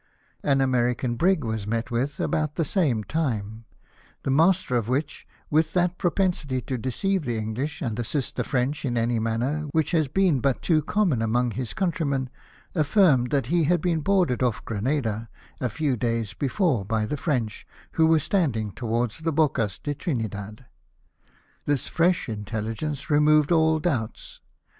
An American brig was met with about the same time, the master of which, with that propensity to deceive the EngUsh and assist the French in any manner, which has been but too common among his countrymen, affirmed that he had been boarded off Granada a few days before by the French, who were standing towards the Bocas of Trinidad. This fresh intelligence removed all doubts.